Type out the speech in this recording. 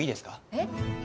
えっ？